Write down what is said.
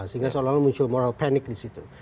sehingga seolah olah muncul moral panic di situ